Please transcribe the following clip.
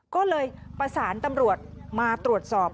ก็เลยประสานตำรวจมาตรวจสอบ